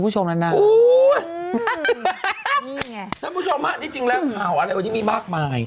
ชั้นน่ะผู้ชมมากนี่จริงแล้วข่าวอะไรวันนี้มีมากมาย